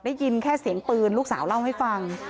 ได้ยินแค่เสียงปืนลูกสาวเล่าให้ฟัง